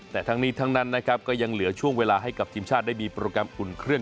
แต่ทั้งนี้ทั้งนั้นนะครับก็ยังเหลือช่วงเวลาให้กับทีมชาติได้มีโปรแกรมอุ่นเครื่อง